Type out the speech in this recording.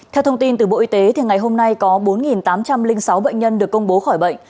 theo thông tin từ bộ y tế ngày hôm nay có bốn tám trăm linh sáu bệnh nhân được công bố khỏi bệnh